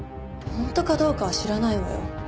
本当かどうかは知らないわよ。